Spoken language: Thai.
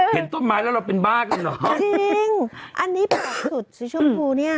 เห็นต้นไม้แล้วเราเป็นบ้ากันเหรอจริงอันนี้ผ่าสุดสีชมพูเนี่ย